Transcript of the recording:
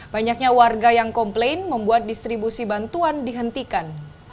banyaknya warga yang komplain membuat distribusi bantuan dihentikan